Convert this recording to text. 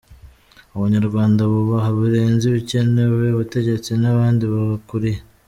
Abanyarwanda bubaha birenze ibikenewe abategetsi nabandi babakuriye.